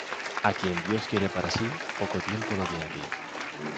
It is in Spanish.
A quien Dios quiere para si, poco tiempo lo tiene aqui.